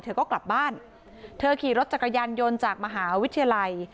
เธอก็กลับบ้านเธอขี่รถจักรยานยนต์จากมหาวิทยาลัย